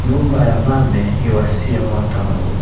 Numba ya mame iwasie Moto